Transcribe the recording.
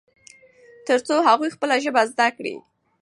ترڅو هغوی خپله ژبه زده کړي.